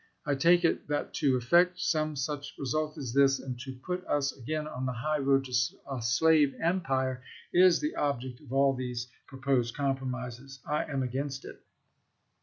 I take it that to effect some such result as this, and to put us again on the high road to a slave empire, is the object of all these proposed compromises. I am against it.